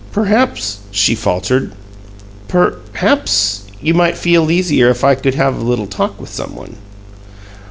"Perhaps," she faltered, "perhaps you might feel easier if I could have a little talk with some one?"